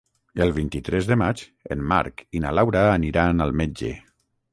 El vint-i-tres de maig en Marc i na Laura aniran al metge.